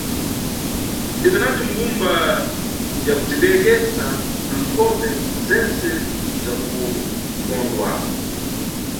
Ndikanati mbumba yakubzidekesa na nkhope zentse zakukondwa.